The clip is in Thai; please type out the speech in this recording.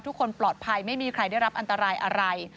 ทุกคนปลอดภัยไม่มีใครได้รับอันตรายอะไร